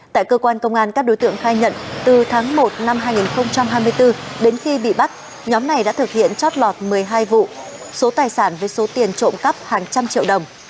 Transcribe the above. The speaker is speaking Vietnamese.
tại cơ quan công an các đối tượng khai nhận từ tháng một năm hai nghìn hai mươi bốn đến khi bị bắt nhóm này đã thực hiện chót lọt một mươi hai vụ số tài sản với số tiền trộm cắp hàng trăm triệu đồng